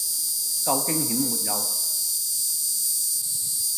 夠驚險沒有？